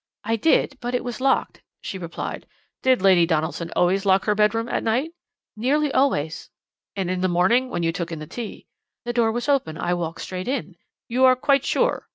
"'I did, but it was locked,' she replied. "'Did Lady Donaldson usually lock her bedroom at night?' "'Nearly always.' "'And in the morning when you took in the tea?' "'The door was open. I walked straight in.' "'You are quite sure?'